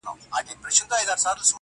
ډېر ناوخته کارګه پوه سو غولېدلی!!